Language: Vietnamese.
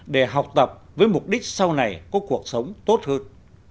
để học tập với mục đích sau này có cuộc sống tốt hơn